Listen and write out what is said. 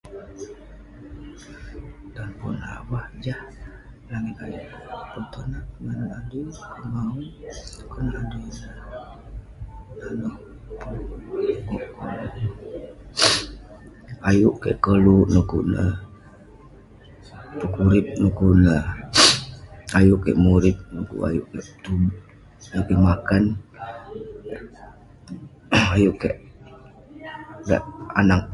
Dan pun avah jah langit ayuk kok petonak ngan adui pengau, konak adui ineh dan neh ayuk kik koluk de'kuk neh pekurip, de'kuk neh ayuk kik murip. pukuk ayuk kik pun ayuk kik makan ayuk kik nat anag.